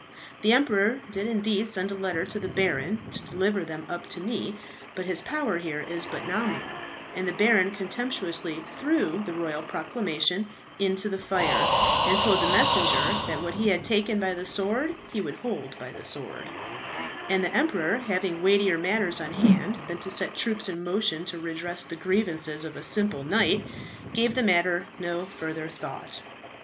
The emperor did indeed send a letter to the baron to deliver them up to me; but his power here is but nominal, and the baron contemptuously threw the royal proclamation into the fire, and told the messenger that what he had taken by the sword he would hold the sword; and the emperor, having weightier matters on hand than to set troops in motion to redress the grievances of a simple knight, gave the matter no further thought.